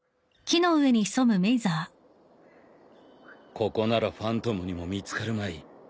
ここならファントムにも見つかるまい。